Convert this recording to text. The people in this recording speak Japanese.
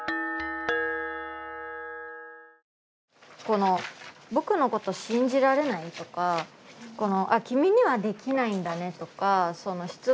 この「僕のこと信じられない？」とかこの「君にはできないんだね」とか「失望したよ」って